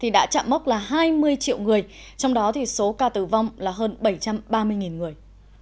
đã chạm mốc là hai mươi triệu người trong đó số ca tử vong là hơn bảy trăm ba mươi người